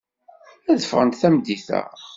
Ad ffɣent tameddit-a.